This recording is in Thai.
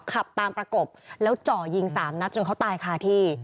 ขับตามประกบแล้วจ่อยิงสามนัดจนเขาตายคาที่